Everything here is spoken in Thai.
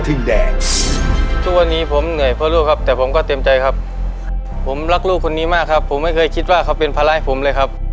แดงทุกวันนี้ผมเหนื่อยเพื่อลูกครับแต่ผมก็เต็มใจครับผมรักลูกคนนี้มากครับผมไม่เคยคิดว่าเขาเป็นภาระให้ผมเลยครับ